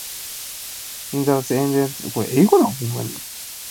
In the end, Seagram lost out in the Conoco bidding war.